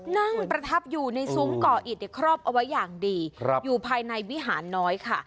นั่งประทับอยู่ในซุ้มก่ออิดครอบเอาไว้อย่างดีอยู่ภายในวิหารน้อยค่ะ